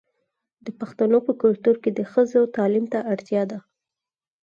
د پښتنو په کلتور کې د ښځو تعلیم ته اړتیا ده.